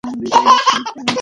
রামাসামী, যা বলছি তাই কর।